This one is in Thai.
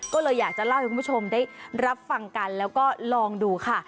ก็เลยอยากจะเล่าให้คุณผู้ชมได้รับฟังกันแล้วก็ลองดูค่ะ